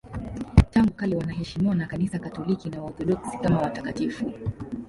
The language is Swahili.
Tangu kale wanaheshimiwa na Kanisa Katoliki na Waorthodoksi kama watakatifu.